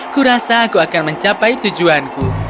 aku rasa aku akan mencapai tujuanku